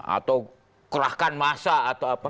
atau kerahkan masa atau apa